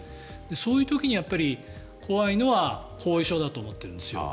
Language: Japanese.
そういう時に怖いのは後遺症だと思ってるんですよ。